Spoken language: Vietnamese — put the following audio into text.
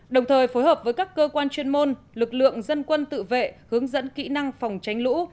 đồng thời phối hợp với các cơ quan chuyên môn lực lượng dân quân tự vệ hướng dẫn kỹ năng phòng tránh lũ